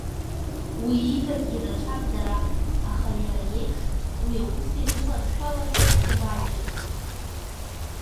Уи идагьы ирацәан дара, аха иара иеиԥш уи аус иазыманшәалаз дмаҷын.